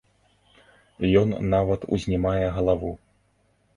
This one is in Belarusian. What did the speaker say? Ён нават узнімае галаву.